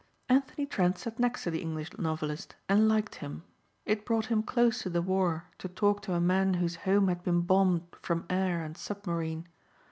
Anthony Trent sat next to the English novelist and liked him. It brought him close to the war to talk to a man whose home had been bombed from air and submarine.